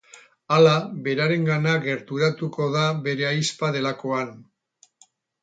Hala, berarengana gerturatuko da bere ahizpa delakoan.